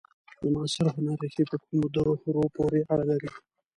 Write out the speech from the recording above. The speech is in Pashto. د معاصر هنر ریښې په کومو دورو پورې اړه لري؟